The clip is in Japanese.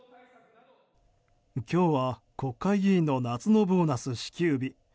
今日は国会議員の夏のボーナス支給日。